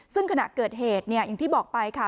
ซึ่งขณะเกิดเหตุเนี่ยอย่างที่บอกไปค่ะ